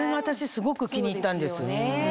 すごく気に入ったんです。